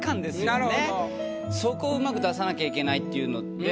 そこをうまく出さなきゃいけないっていうので。